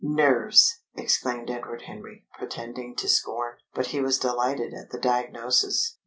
"Nerves!" exclaimed Edward Henry, pretending to scorn. But he was delighted at the diagnosis.